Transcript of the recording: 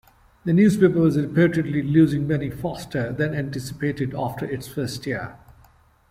The newspaper was reportedly losing money faster than anticipated after its first year.